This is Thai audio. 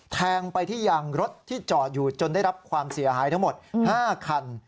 แทงไปที่ยางรถที่จอดอยู่จนได้รับความเสียหายทั้งหมด๕คัน